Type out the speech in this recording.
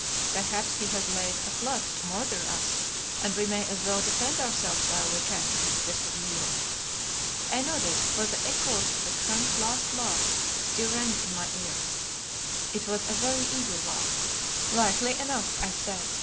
"Perhaps he has laid a plot to murder us, and we may as well defend ourselves while we can," suggested Leo. I nodded, for the echoes of the Khan's last laugh still rang in my ears. It was a very evil laugh. "Likely enough," I said.